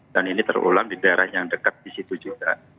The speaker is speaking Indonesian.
dan ini terulang di daerah yang dekat di situ juga